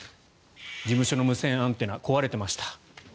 事務所の無線アンテナ壊れていました。